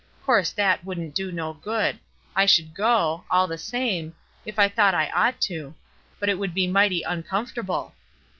'Course that wouldn't do no good; I sh'd go, all the same, if I thought I ought to ; but it would be mighty uncomfortable.